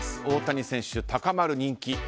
大谷選手、高まる人気。